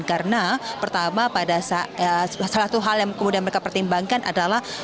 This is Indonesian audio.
karena pertama salah satu hal yang mereka pertimbangkan adalah